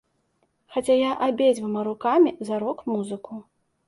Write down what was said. Хаця я абедзвюма рукамі за рок-музыку.